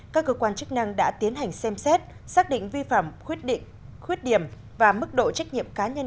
các cơ quan chức năng đã tiến hành xem xét xác định vi phạm khuyết điểm và mức độ trách nhiệm cá nhân